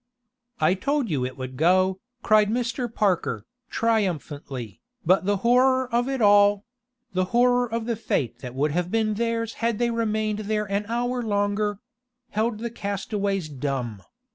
"I told you it would go," cried Mr. Parker, triumphantly, but the horror of it all the horror of the fate that would have been theirs had they remained there an hour longer held the castaways dumb.